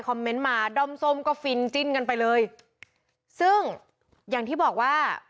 เมนต์มาด้อมส้มก็ฟินจิ้นกันไปเลยซึ่งอย่างที่บอกว่า